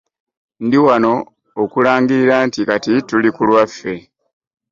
Ndi wano okulangirira nti kati tuli ku lwaffe.